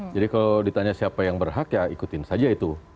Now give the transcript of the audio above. jadi kalau ditanya siapa yang berhak ya ikutin saja itu